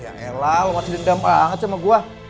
ya elah lo masih dendam banget sama gue